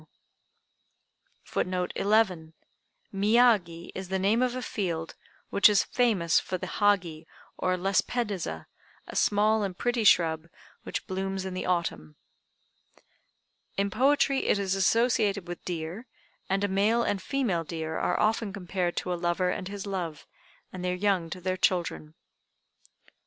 "] [Footnote 11: Miyagi is the name of a field which is famous for the Hagi or Lespedeza, a small and pretty shrub, which blooms in the Autumn. In poetry it is associated with deer, and a male and female deer are often compared to a lover and his love, and their young to their children.